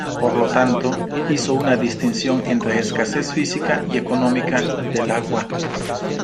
Por lo tanto, hizo una distinción entre escasez 'física' y 'económica' del agua.